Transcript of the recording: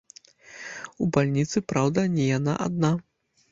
У бальніцы, праўда, не яна адна.